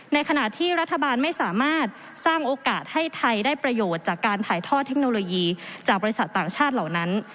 ในขณะที่รัฐบาลไม่สามารถสร้างโอกาสให้ไทยได้ประโยชน์จากการถ่ายทอดเทคโนโลยีจากบริษัทต่างชาติเหล่านั้น